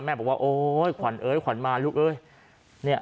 แม่บอกว่าโอ้ยขวัญเอ๋ยขวัญมาลุกเอ๋ย